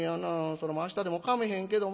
そら明日でもかめへんけども。